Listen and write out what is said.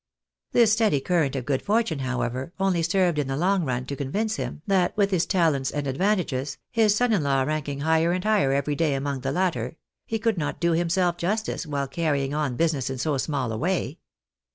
This steady current of good fortune, however, only served in the long run to convince him that with his talents and advantages (his son in law ranking higher and higher every day among the latter) he could not do himself justice while carrying on business in so small a way.